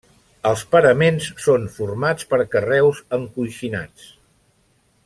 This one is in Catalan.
Els paraments són formats per carreus encoixinats.